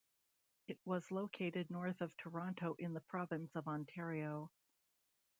It was located north of Toronto in the province of Ontario.